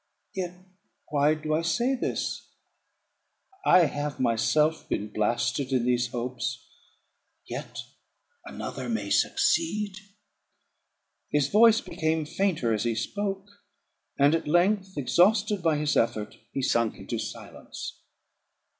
Yet why do I say this? I have myself been blasted in these hopes, yet another may succeed." His voice became fainter as he spoke; and at length, exhausted by his effort, he sunk into silence.